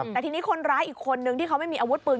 แต่ทีนี้คนร้ายอีกคนนึงที่เขาไม่มีอาวุธปืน